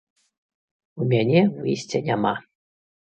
У мяне выйсця няма.